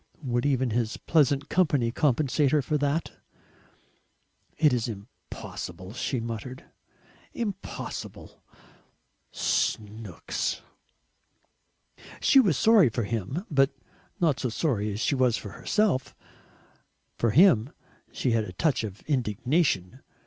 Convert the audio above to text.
Would even his pleasant company compensate her for that? "It is impossible," she muttered; "impossible! SNOOKS!" She was sorry for him, but not so sorry as she was for herself. For him she had a touch of indignation.